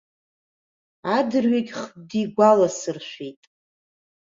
Адырҩегьх дигәаласыршәеит.